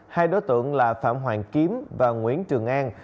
hai đối tượng là phạm hoàng kiếm và nguyễn trường an